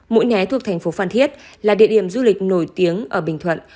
mũi né thuộc thành phố phan thiết là địa điểm du lịch nổi tiếng ở bình thuận